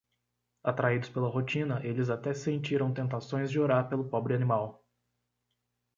Atraídos pela rotina, eles até sentiram tentações de orar pelo pobre animal.